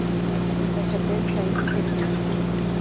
La Chapelle-Saint-Étienne